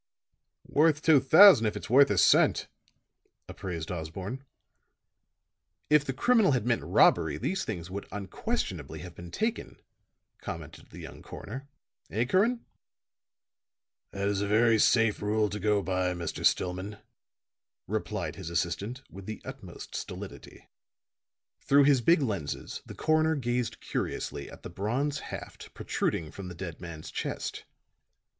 "Worth two thousand if it's worth a cent," appraised Osborne. "If the criminal had meant robbery these things would unquestionably have been taken," commented the young coroner. "Eh, Curran?" "That is a very safe rule to go by, Mr. Stillman," replied his assistant, with the utmost stolidity. Through his big lenses the coroner gazed curiously at the bronze haft protruding from the dead man's chest.